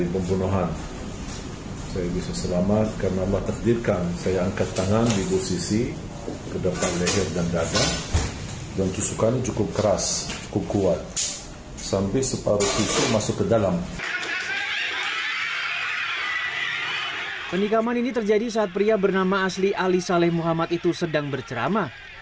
penikaman ini terjadi saat pria bernama asli ali saleh muhammad itu sedang berceramah